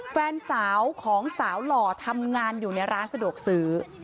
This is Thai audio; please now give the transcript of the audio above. แฟนสาวของสาวหล่อทำงานอยู่ในร้านสะดวกซื้อ